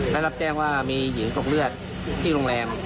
ได้รับแจ้งว่ามีหญิงตกเลือดที่โรงแรม